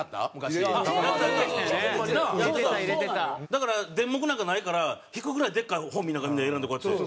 だからデンモクなんかないから引くぐらいでっかい本見ながらみんな選んでこうやって。